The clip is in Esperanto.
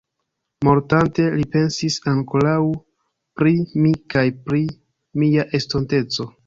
Mortante, li pensis ankoraŭ pri mi kaj pri mia estonteco.